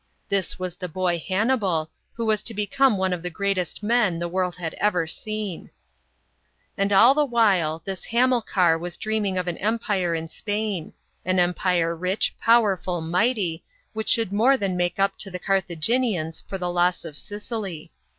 This was the boy Hannibal, who was to become one of the greatest men, the world had ever seen. B.C. 238.] THE BOY HANNIBAL. 163 And all the while, this Hamilcar was dreaming of an empire in Spain an empire rich, powerful, mighty, which should more than make up to the Carthaginians for the loss of Sicily.